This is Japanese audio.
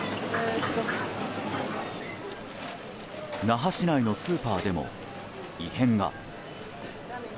那覇市内のスーパーでも異変が。